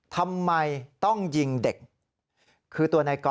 ทำไมต้องยิงเด็ก